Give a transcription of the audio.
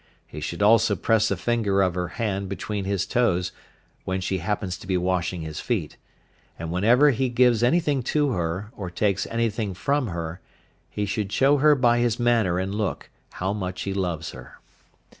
He should also press a finger of her hand between his toes when she happens to be washing his feet; and whenever he gives anything to her or takes anything from her, he should show her by his manner and look how much he loves her.